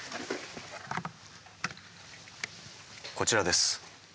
こちらです。